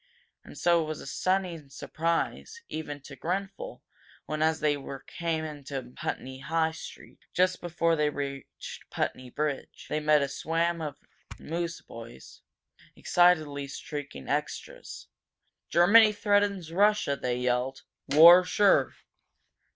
And so it was a stunning surprise, even to Grenfel, when, as they came into Putney High street, just before they reached Putney Bridge, they met a swam of newsboys excitedly shrieking extras. "Germany threatens Russia!" they yelled. "War sure!"